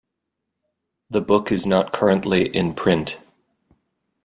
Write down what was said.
The book is not currently in print.